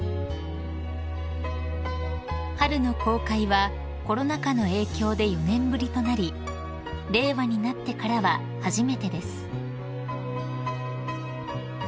［春の公開はコロナ禍の影響で４年ぶりとなり令和になってからは初めてです］